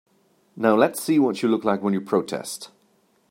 Now let's see what you look like when you protest.